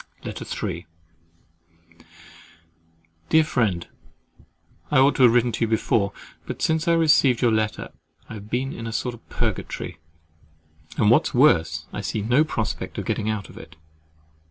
LETTER III Dear Friend, I ought to have written to you before; but since I received your letter, I have been in a sort of purgatory, and what is worse, I see no prospect of getting out of it.